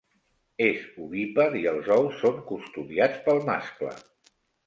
És ovípar i els ous són custodiats pel mascle.